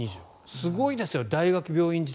すごいですよ、大学病院時代。